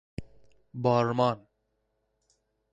بارمان